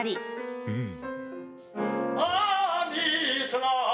うん。